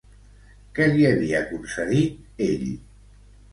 Què li havia concedit ell?